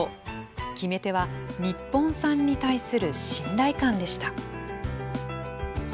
決め手は、日本産に対する信頼感でした。